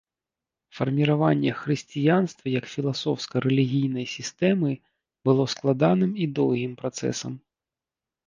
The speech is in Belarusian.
Фарміраванне хрысціянства як філасофска-рэлігійнай сістэмы было складаным і доўгім працэсам.